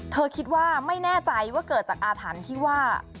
คิดว่าไม่แน่ใจว่าเกิดจากอาถรรพ์ที่ว่า